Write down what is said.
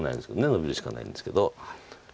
ノビるしかないんですけど。